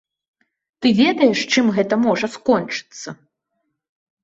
Ты ведаеш, чым гэта можа скончыцца?